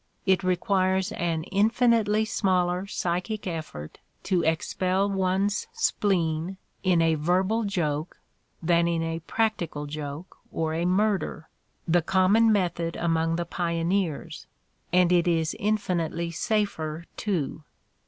It requires an infinitely smaller psychic effort to expel one's spleen in a verbal joke than in a practical joke or a murder, the common method among the pioneers, and it is infinitely safer, too!